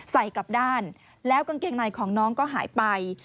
กลับด้านแล้วกางเกงในของน้องก็หายไป